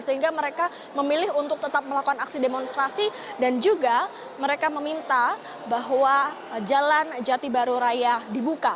sehingga mereka memilih untuk tetap melakukan aksi demonstrasi dan juga mereka meminta bahwa jalan jati baru raya dibuka